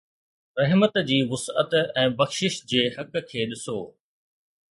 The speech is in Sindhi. رحمت جي وسعت ۽ بخشش جي حق کي ڏسو